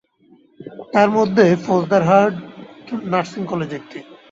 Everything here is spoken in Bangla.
তার মধ্যে ফৌজদারহাট নার্সিং কলেজ একটি।